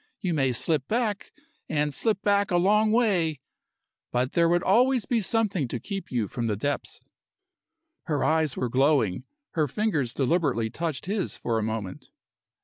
You may slip back, and slip back a long way, but there would always be something to keep you from the depths." Her eyes were glowing. Her fingers deliberately touched his for a moment.